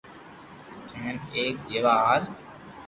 ھين ايڪ جيوہ ھال